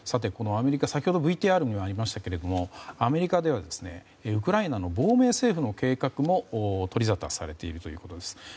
アメリカ、先ほどＶＴＲにもありましたけどアメリカではウクライナの亡命政府の計画も取りざたされているということです。